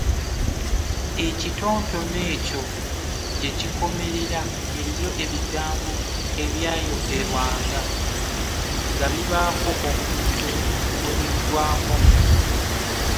Ekitontome ekyo gye kikomerera eriyo ebigambo ebyayogerwanga nga bibaako omuntu gwe bigwako.